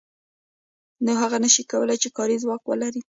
نو هغه نشي کولای چې کاري ځواک ولري